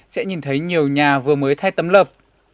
sẽ nhìn thấy nhiều nhà vừa mới thay tấm lợp